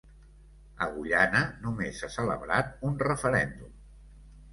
A Guyana només s'ha celebrat un referèndum.